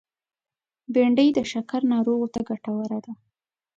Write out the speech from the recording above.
بېنډۍ د شکر ناروغو ته ګټوره ده